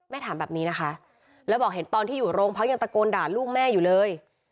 ถามแบบนี้นะคะแล้วบอกเห็นตอนที่อยู่โรงพักยังตะโกนด่าลูกแม่อยู่เลย